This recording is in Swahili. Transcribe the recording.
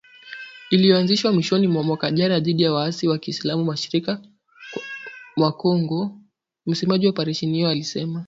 Iliyoanzishwa mwishoni mwa mwaka jana dhidi ya waasi wa kiislam mashariki mwa Kongo msemaji wa operesheni hiyo alisema.